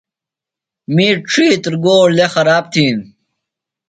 می ڇِھیتر گو لےۡ خراب تِھین۔